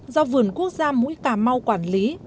do vườn quốc gia mũi cả mau quản lý